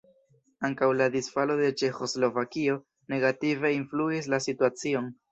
Ankaŭ la disfalo de Ĉeĥoslovakio negative influis la situacion.